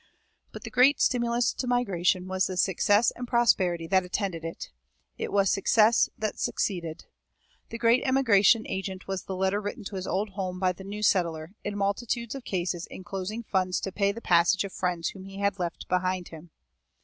But the great stimulus to migration was the success and prosperity that attended it. It was "success that succeeded." The great emigration agent was the letter written to his old home by the new settler, in multitudes of cases inclosing funds to pay the passage of friends whom he had left behind him.